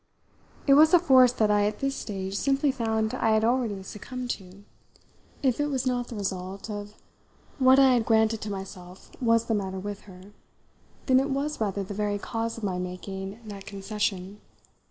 It was a force that I at this stage simply found I had already succumbed to. If it was not the result of what I had granted to myself was the matter with her, then it was rather the very cause of my making that concession.